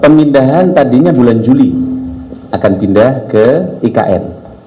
pemindahan tadinya bulan juli akan pindah ke ikn